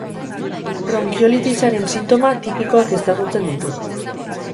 Bronkiolitisaren sintoma tipikoak ezagutzen ditu.